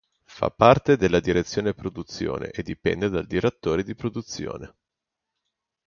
Fa parte della Direzione produzione e dipende dal direttore di produzione.